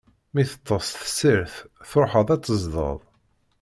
Mi teṭṭes tessirt, tṛuḥeḍ ad teẓdeḍ.